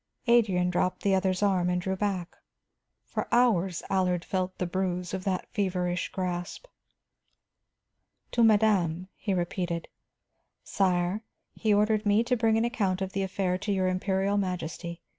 Adrian dropped the other's arm and drew back; for hours Allard felt the bruise of that feverish grasp. "To madame," he repeated. "Sire, he ordered me to bring an account of the affair to your Imperial Majesty.